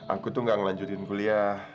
aku tuh gak ngelanjurin kuliah